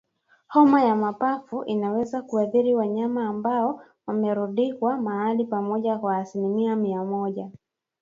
Homa ya mapafu inaweza kuathiri wanyama ambao wamerundikwa mahali pamoja kwa asilimia mia moja